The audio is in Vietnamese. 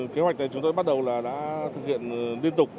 kế hoạch chúng tôi bắt đầu là đã thực hiện liên tục